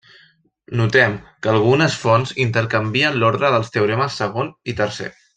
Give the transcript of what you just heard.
Notem que algunes fonts intercanvien l'ordre dels teoremes segon i tercer.